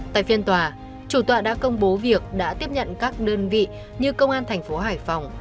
tại phiên tòa chủ tọa đã công bố việc đã tiếp nhận các đơn vị như công an thành phố hải phòng